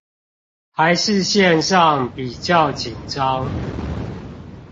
還是線上比較緊張